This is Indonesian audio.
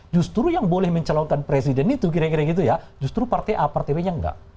justru yang boleh mencalonkan presiden itu kira kira gitu ya justru partai a partai b nya enggak